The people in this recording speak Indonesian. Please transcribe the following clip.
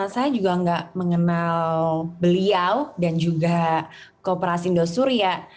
saya juga nggak mengenal beliau dan juga kooperasi indosuria